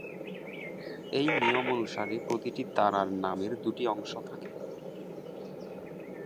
এই নিয়ম অনুসারে প্রতিটি তারার নামের দুটি অংশ থাকে।